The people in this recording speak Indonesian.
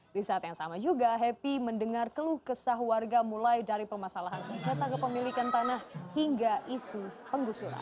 di saat yang sama juga happy mendengar keluh kesah warga mulai dari permasalahan sengketa kepemilikan tanah hingga isu penggusuran